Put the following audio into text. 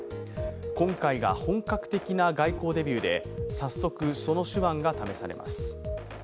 今回が本格的な外交デビューで早速その手腕が試されます。